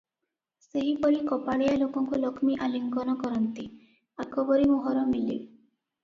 ସେହିପରି କପାଳିଆ ଲୋକକୁ ଲକ୍ଷ୍ମୀ ଆଲିଙ୍ଗନ କରନ୍ତି, ଆକବରୀ ମୋହର ମିଳେ ।